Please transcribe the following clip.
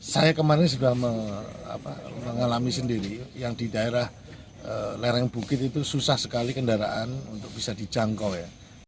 saya kemarin sudah mengalami sendiri yang di daerah lereng bukit itu susah sekali kendaraan untuk bisa dijangkau ya